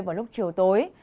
vào lúc chiều tối